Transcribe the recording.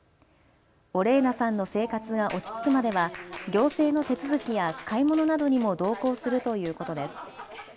オレーナさんの生活が落ち着くまでは行政の手続きや買い物などにも同行するということです。